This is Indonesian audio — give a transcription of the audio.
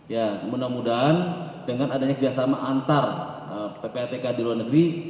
ya mudah mudahan dengan adanya kerjasama antar ppatk di luar negeri